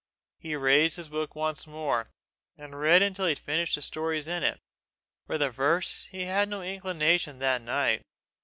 He raised his book once more, and read until he had finished the stories in it: for the verse he had no inclination that night.